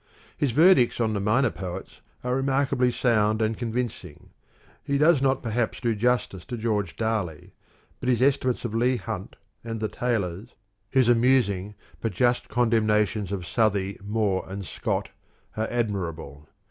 His verdicts on the minor poets are remark ably sound and convincing; he does not perhaps do justice to George Darley, but his estimates of Leigh Hunt, and the Taylors, his amusing but just con demnations of Southey, Moore, and Scott are admir able.